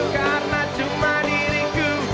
karena cuma diriku